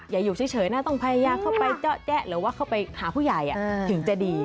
อยู่เฉยนะต้องพยายามเข้าไปเจาะแจ๊ะหรือว่าเข้าไปหาผู้ใหญ่ถึงจะดี